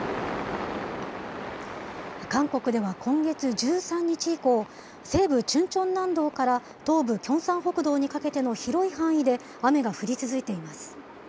韓国では今月１３日以降、西部チュンチョン南道から東部キョンサン北道にかけての広い範囲で、雨が降り続いています。